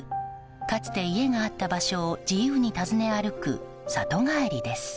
かつて、家があった場所を自由に訪ね歩く里帰りです。